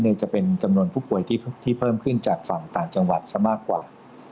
จะเป็นจำนวนผู้ป่วยที่เพิ่มขึ้นจากฝั่งต่างจังหวัดซะมากกว่า